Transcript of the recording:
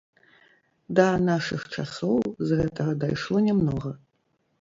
Да нашых часоў з гэтага дайшло нямнога.